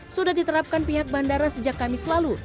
sudah diterapkan pihak bandara sejak kamis lalu